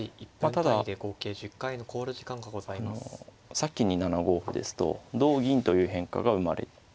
ただあの先に７五歩ですと同銀という変化が生まれてはいます。